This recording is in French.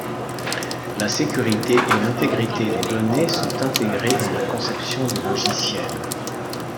La sécurité et l'intégrité des données sont intégrées dans la conception du logiciel.